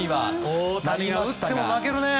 大谷が打っても負けるね！